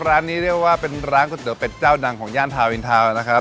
ร้านนี้เรียกว่าเป็นร้านก๋วยเตี๋ยวเป็ดเจ้าดังของย่านนะครับ